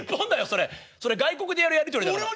それ外国でやるやり取りだから。